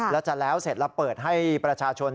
แล้วจะแล้วเสร็จแล้วเปิดให้ประชาชน